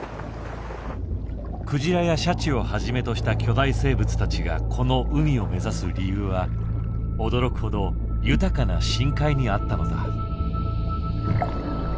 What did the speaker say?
クジラやシャチをはじめとした巨大生物たちがこの海を目指す理由は驚く程豊かな深海にあったのだ。